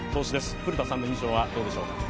古田さんの印象はどうでしょう？